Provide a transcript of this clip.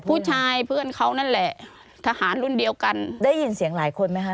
เพื่อนเขานั่นแหละทหารรุ่นเดียวกันได้ยินเสียงหลายคนไหมคะ